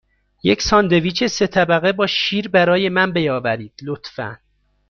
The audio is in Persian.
یک ساندویچ سه طبقه با شیر برای من بیاورید، لطفاً.